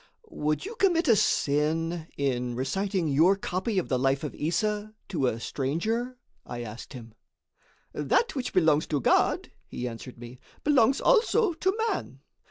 "Would you commit a sin in reciting your copy of the life of Issa to a stranger?" I asked him. "That which belongs to God," he answered me, "belongs also to man.